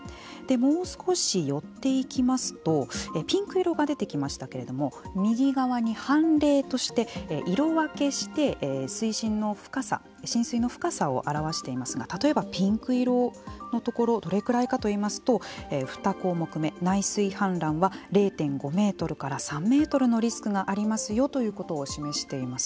もう少し寄っていきますとピンク色が出てきましたけれども右側に凡例として色分けして水深の深さを表していますが例えばピンク色のところどれぐらいかといいますと２項目め内水氾濫は０．５メートルから３メートルのリスクがありますよということを示しています。